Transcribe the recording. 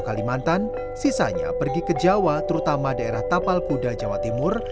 kalimantan sisanya pergi ke jawa terutama daerah tapal kuda jawa timur